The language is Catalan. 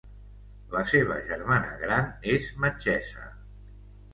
La seva germana gran és metgessa.